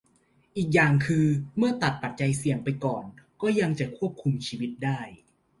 อีกอย่างคือเมื่อตัดปัจจัยเสี่ยงไปก่อนก็ยังจะควบคุมชีวิตได้